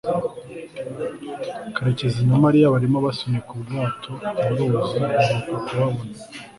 karekezi na mariya barimo basunika ubwato mu ruzi mperuka kubabona